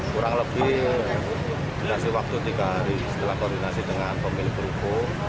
kurang lebih dikasih waktu tiga hari setelah koordinasi dengan pemilik ruko